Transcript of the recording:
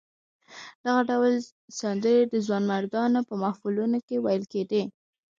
دغه ډول سندرې د ځوانمردانو په محفلونو کې ویل کېدې.